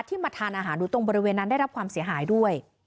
มาทานอาหารอยู่ตรงบริเวณนั้นได้รับความเสียหายด้วย